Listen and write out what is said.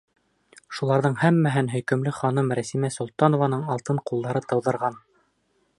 Шуларҙың һәммәһен һөйкөмлө ханым Рәсимә Солтанованың алтын ҡулдары тыуҙырған.